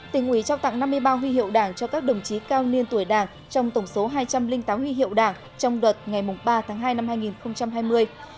tỉnh ủy trao tặng năm mươi ba huy hiệu đảng cho các đồng chí cao niên tuổi đảng trong tổng số hai trăm linh tám huy hiệu đảng trong đợt ngày ba tháng hai năm hai nghìn hai mươi